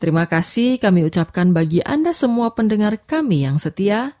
terima kasih kami ucapkan bagi anda semua pendengar kami yang setia